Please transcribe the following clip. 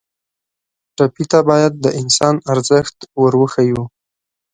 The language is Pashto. ټپي ته باید د انسان ارزښت ور وښیو.